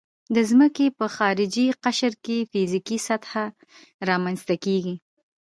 د ځمکې په خارجي قشر کې فزیکي سطحه رامنځته کیږي